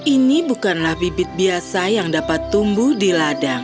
ini bukanlah bibit biasa yang dapat tumbuh di ladang